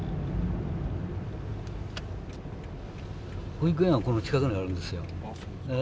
保育園はこの近くにあるんですよ。